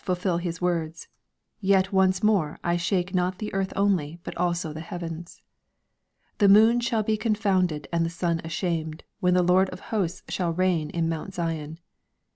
fulfil HiB words, '^ Yet once more, I shake not the earth only, but also the heavens/' " The moon shall be con founded, and the sun ashamed, when the Lord of h^sta shall reign in mount Zion."